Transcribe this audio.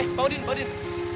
eh pak udin pak udin